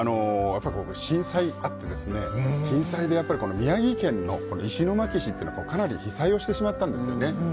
震災があって、震災で宮城県の石巻市ってかなり被災してしまったんですよね。